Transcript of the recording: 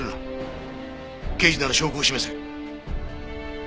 刑事なら証拠を示せ。